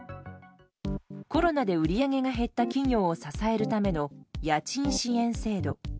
コロナで売り上げが減った企業を支えるための家賃支援制度。